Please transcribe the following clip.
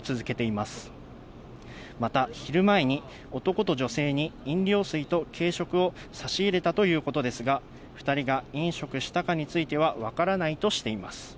また昼前に、男と女性に飲料水と軽食を差し入れたということですが、２人が飲食したかについては分からないとしています。